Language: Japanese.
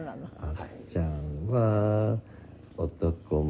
「あっちゃんは男前」